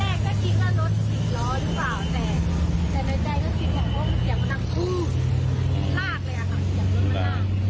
มากเลยอะค่ะ